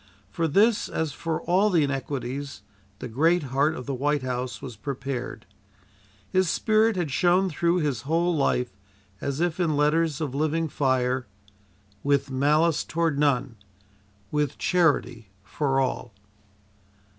For this, as for all the inequities the great heart of the White House was prepared. His spirit had shone through his whole life as if in letters of living fire: "With malice toward none; with charity for all."